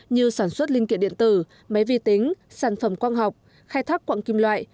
như sản xuất linh kiện điện tử máy vi tính sản phẩm quang học khai thác quạng kim loại